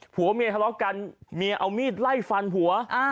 ผัวเมียทะเลาะกันเมียเอามีดไล่ฟันผัว